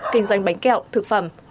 kinh doanh bánh kẹo thực phẩm